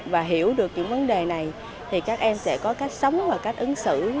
và hiểu được những vấn đề này thì các em sẽ có cách sống và cách ứng xử